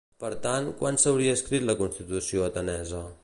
Per tant, quan s'hauria escrit la Constitució atenesa?